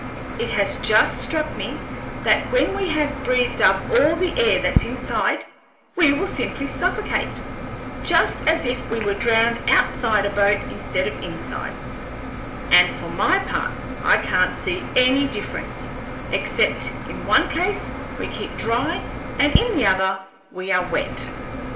It has just struck me that when we have breathed up all the air that's inside, we will simply suffocate, just as if we were drowned outside a boat instead of inside; and for my part I can't see any difference, except in one case we keep dry and in the other we are wet."